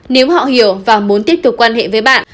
nếu họ hiểu và muốn tiếp tục quan hệ với bạn